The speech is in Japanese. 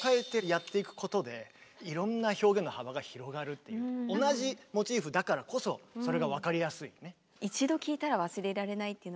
っていうのを同じモチーフだからこそそれが分かりやすいよね。